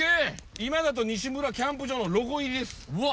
「今田と西村キャンプ場」のロゴ入りです。